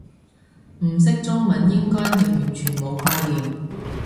唔識中文應該係完全冇概念